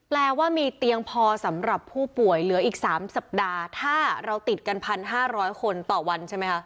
แปลว่ามีเตียงพอสำหรับผู้ป่วยเหลืออีก๓สัปดาห์ถ้าเราติดกัน๑๕๐๐คนต่อวันใช่ไหมคะ